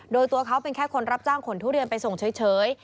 โดยตัวเขาเป็นแค่คนรับจ้างขนทุเรียนไปส่งเฉย